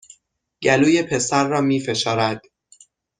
گلوی پسر را می فشارد